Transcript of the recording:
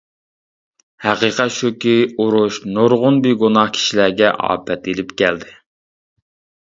ھەقىقەت شۇكى، ئۇرۇش نۇرغۇن بىگۇناھ كىشىلەرگە ئاپەت ئېلىپ كەلدى.